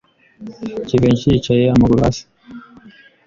Jivency yicaye amaguru hasi.